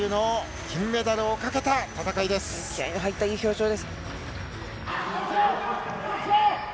気合いが入ったいい表情です。